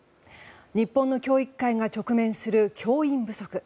日本の教育界が直面する教員不足。